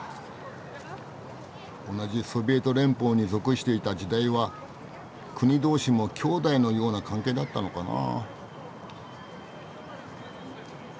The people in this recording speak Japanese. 同じソビエト連邦に属していた時代は国同士も兄弟のような関係だったのかな。